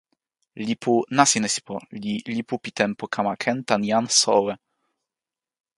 lipu Nasinesipo li lipu pi tenpo kama ken tan jan So Owe.